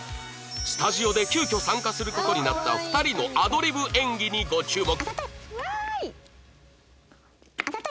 スタジオで急遽参加する事になった２人のアドリブ演技にご注目